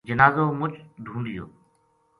جنازو مُچ ڈھُونڈیو